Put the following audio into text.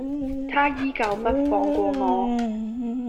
他依舊不放過我